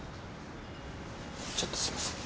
ちょっとすいません。